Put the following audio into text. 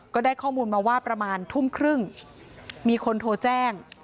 ก็ได้ข้อมูลมาว่าประมาณทุ่มครึ่งมีคนโทรแจ้ง